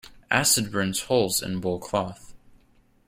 Acid burns holes in wool cloth.